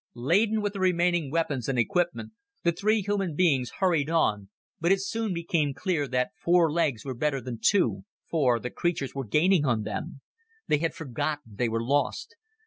Laden with the remaining weapons and equipment, the three human beings hurried on, but it soon became clear that four legs were better than two, for the creatures were gaining on them. They had forgotten they were lost.